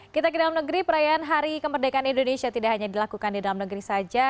kita ke dalam negeri perayaan hari kemerdekaan indonesia tidak hanya dilakukan di dalam negeri saja